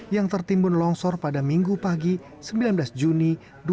yang tertimbul longsor pada minggu pagi sembilan belas juni dua ribu enam belas